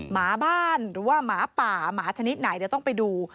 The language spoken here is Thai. หมาบ้านหรือว่าหมาป่าหมาชนิดไหนเดี๋ยวต้องไปดู